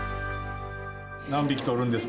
何匹捕るんですか？